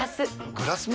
グラスも？